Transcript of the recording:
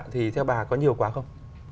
thì theo bà có nhiều quá không